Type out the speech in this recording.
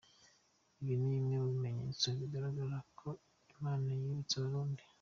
Ibyo ni bimwe mu bimenyetso bigaragaza ko Imana yibutse Abarundi”.